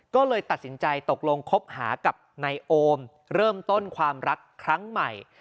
ก็เลยตัดสินใจตกลงคบหากับนายโอมเริ่มต้นความรักครั้งใหม่